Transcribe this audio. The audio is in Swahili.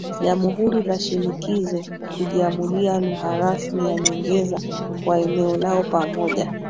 Jamhuri za shirikisho kujiamulia lugha rasmi ya nyongeza kwa eneo lao pamoja